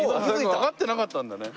わかってなかったんだね。